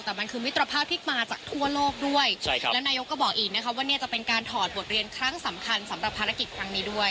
แต่มันคือมิตรภาพที่มาจากทั่วโลกด้วยใช่ครับแล้วนายกก็บอกอีกนะคะว่าเนี่ยจะเป็นการถอดบทเรียนครั้งสำคัญสำหรับภารกิจครั้งนี้ด้วย